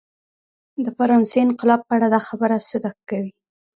د فرانسې انقلاب په اړه دا خبره صدق کوي.